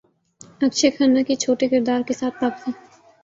اکشے کھنہ کی چھوٹے کردار کے ساتھ واپسی